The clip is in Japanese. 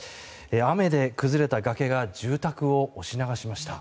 雨で崩れた崖が住宅を押し流しました。